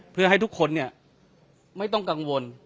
เพื่อให้ทุกคนไม่ต้องกังวล